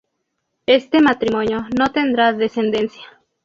Este matrimonio no tendrá descendencia.